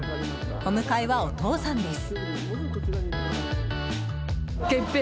お迎えは、お父さんです。